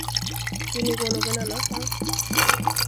Vill ni gå någon annanstans?